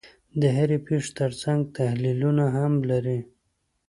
د هرې پېښې ترڅنګ تحلیلونه هم لري.